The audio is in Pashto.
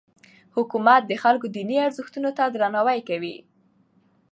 حکومت د خلکو دیني ارزښتونو ته درناوی کوي.